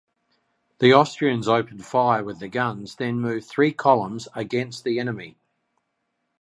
The Austrians opened fire with the guns, then moved three columns against the enemy.